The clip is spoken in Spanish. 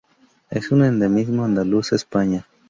Es un endemismo andaluz, España.